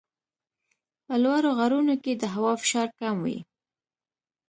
په لوړو غرونو کې د هوا فشار کم وي.